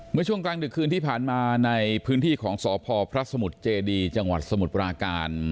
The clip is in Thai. เมื่อช่วงกลางดึกคืนที่ผ่านมาในพื้นที่ของสพพระสมุทรเจดีจังหวัดสมุทรปราการ